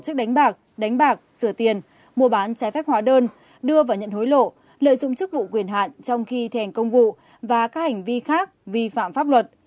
tổ chức đánh bạc đánh bạc sửa tiền mua bán trái phép hóa đơn đưa và nhận hối lộ lợi dụng chức vụ quyền hạn trong khi thi hành công vụ và các hành vi khác vi phạm pháp luật